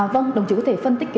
vâng đồng chí có thể phân tích